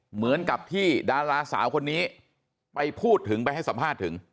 เหมือนกับที่ดาราสาวคนนี้ไปพูดถึงไปให้สัมภาษณ์ถึง